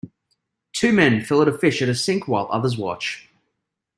Two men fillet a fish at a sink while others watch.